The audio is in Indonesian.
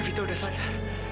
evita sudah sadar